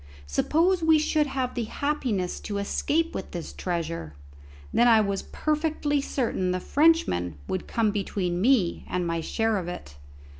Suppose we should have the happiness to escape with this treasure, then I was perfectly certain the Frenchman would come between me and my share of it.